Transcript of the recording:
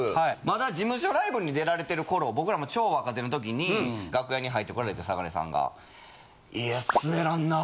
まだ事務所ライブに出られてる頃僕らも超若手の時に楽屋に入ってこられてさがねさんが「いや」。